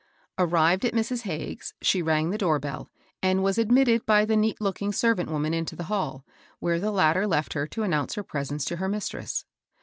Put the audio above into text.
850 MABEL BOSS. Arrived at Mrs. Hagges's, she rang the door bell and was admitted by a neat looking servant woman into the hall, where the latter left her to announce her presence to her mistress.